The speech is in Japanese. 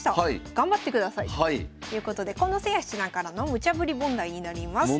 頑張ってください」ということで近藤誠也七段からのムチャぶり問題になります。